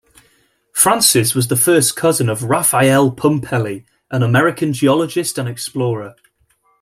Frances was the first cousin of Raphael Pumpelly, an American geologist and explorer.